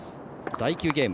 第９ゲーム。